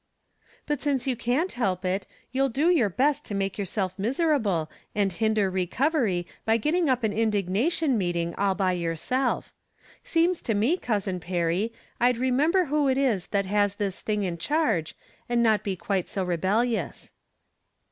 " But since you can't help it, you'll do your best to make yourself miserable, and hinder re covery by getting up an indignation meeting all by yourself. Seems to me, Cousin Perry, I'd re member who it is that has this thing in charge, and not be quite so rebelhous."